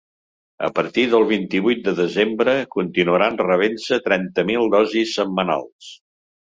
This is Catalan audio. A partir del dia vint-i-vuit de desembre continuaran rebent-se trenta mil dosis setmanals.